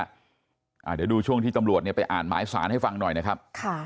เดี๋ยวดูช่วงที่จำลวดไปอ่านไม้สานให้ฟังหน่อยนะครับ